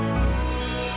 lumayan ber gudang